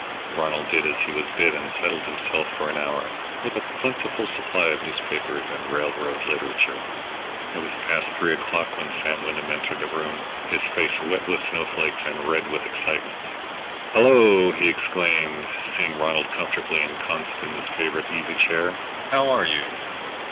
Ronald did as he was bid and settled himself for an hour, with a plentiful supply of newspapers and railroad literature. It was past three o'clock when Sam Wyndham entered the room, his face wet with the snowflakes and red with excitement. "Hollo!" he exclaimed, seeing Ronald comfortably ensconced in his favorite easy chair. "How are you?"